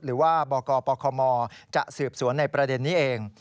หรือว่าบอกว่าปกครมอล์จะสืบสวนในประเด็นนี้เอง